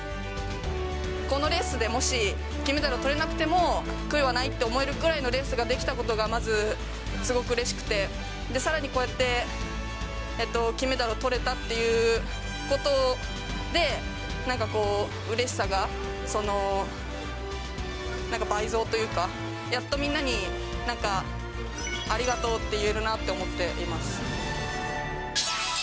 このレースでもし金メダルをとれなくても悔いはないって思えるぐらいのレースができたことが、まずすごくうれしくて、さらにこうやって金メダルをとれたっていうことで、なんかこう、うれしさがなんか倍増というか、やっとみんなになんか、ありがとうって言えるなって思っています。